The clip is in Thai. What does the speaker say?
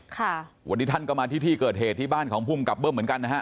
ค่ะวันนี้ท่านก็มาที่ที่เกิดเหตุที่บ้านของภูมิกับเบิ้มเหมือนกันนะฮะ